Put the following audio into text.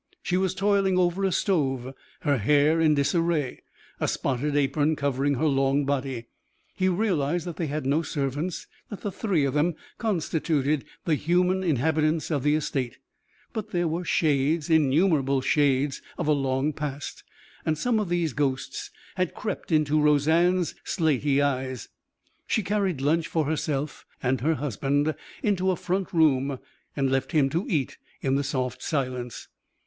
She was toiling over a stove, her hair in disarray, a spotted apron covering her long body. He realized that they had no servants, that the three of them constituted the human inhabitants of the estate but there were shades, innumerable shades, of a long past, and some of those ghosts had crept into Roseanne's slaty eyes. She carried lunch for herself and her husband into a front room and left him to eat in the soft silence.